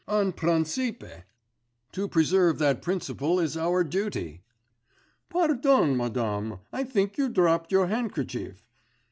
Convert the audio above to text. un principe. To preserve that principle is our duty. Pardon, madame, I think you dropped your handkerchief.